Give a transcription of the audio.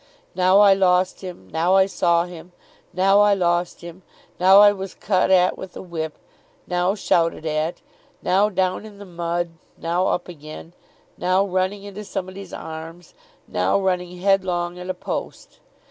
Now I lost him, now I saw him, now I lost him, now I was cut at with a whip, now shouted at, now down in the mud, now up again, now running into somebody's arms, now running headlong at a post.